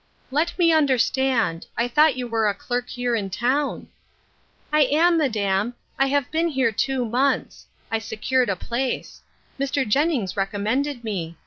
" Let me understand ; I thought you were a clerk here in town." " I am, madam ; I have been here two months ; I secured a place ; Mr. Jennings recommended me.